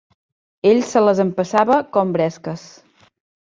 Ell se les empassava com bresques